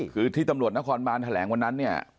คือที่ตำรวจนครบานแถลงวันนั้นเนี่ย